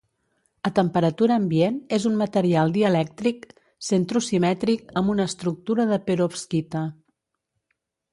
A temperatura ambient, és un material dielèctric centrosimètric amb una estructura de perovskita.